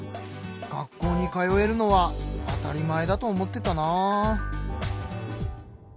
学校に通えるのは当たり前だと思ってたな。